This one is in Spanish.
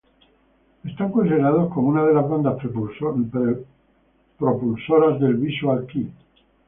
Son considerados como una de las bandas propulsoras del Visual kei.